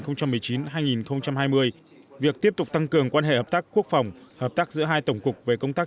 năm hai nghìn hai mươi việc tiếp tục tăng cường quan hệ hợp tác quốc phòng hợp tác giữa hai tổng cục về công tác